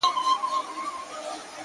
گراني په دې ياغي سيتار راته خبري کوه!